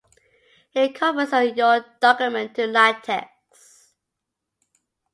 It converts your document to latex